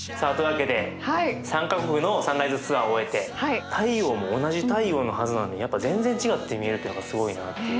わけで３か国のサンライズツアーを終えて太陽も同じ太陽のはずなのに全然違って見えるっていうのがすごいなって。